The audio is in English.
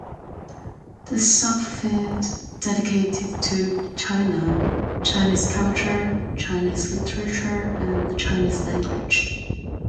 The sub-field dedicated to China, Chinese culture, Chinese literature and the Chinese language.